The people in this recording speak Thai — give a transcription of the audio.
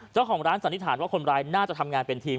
เจ้าของร้านสันนิษฐานว่าคนลายน่าจะทำงานเป็นทีม